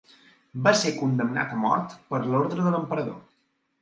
Va ser condemnat a mort per ordre de l'emperador.